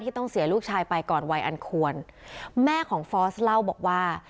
ต้องเสียลูกชายไปก่อนวัยอันควรแม่ของฟอสเล่าบอกว่า